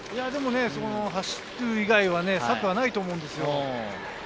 走る以外に策はないと思うんですよ。